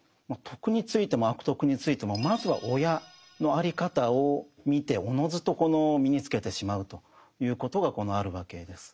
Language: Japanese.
「徳」についても「悪徳」についてもまずは親のあり方を見ておのずと身につけてしまうということがあるわけです。